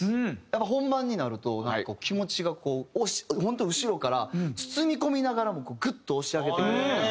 やっぱ本番になるとなんか気持ちがこう本当後ろから包み込みながらもグッと押し上げてくれるみたいな。